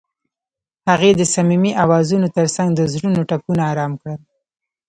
هغې د صمیمي اوازونو ترڅنګ د زړونو ټپونه آرام کړل.